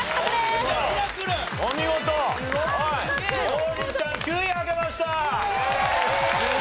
王林ちゃん９位開けました！